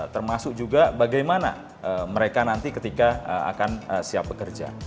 termasuk juga bagaimana mereka nanti ketika akan siap bekerja